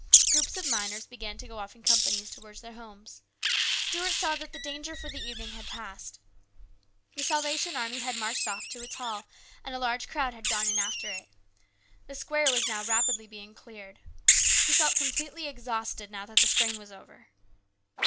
Groups of miners began to go off in companies towards their homes. Stuart saw that the danger for the evening was passed. The Salvation Army had marched off to its hall, and a large crowd had gone in after it. The square was now rapidly being cleared. He felt com pletely exhausted, now that the strain was over.